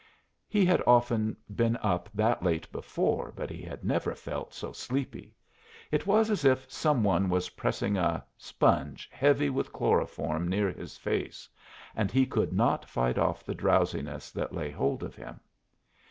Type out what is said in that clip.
He had often been up that late before, but he had never felt so sleepy. It was as if some one was pressing a sponge heavy with chloroform near his face, and he could not fight off the drowsiness that lay hold of him.